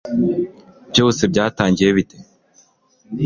byose byatangiye bite